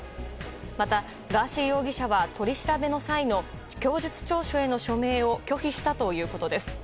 また、ガーシー容疑者は取り調べの際の供述調書への署名を拒否したということです。